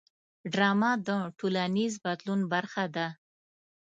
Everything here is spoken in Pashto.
ډرامه د ټولنیز بدلون برخه ده